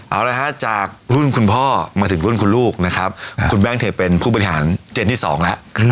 เอาละฮะจากรุ่นคุณพ่อมาถึงรุ่นคุณลูกนะครับคุณแบงค์เธอเป็นผู้บริหารเจนที่๒แล้ว